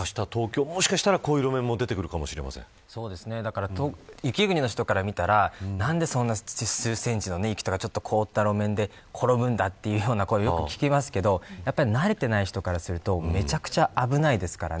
もしかしたら、こういう路面も雪国の人から見たら何でそんな数センチの雪とかちょっと凍った路面で転ぶんだという声をよく聞きますけど慣れてない人からするとめちゃくちゃ危ないですからね。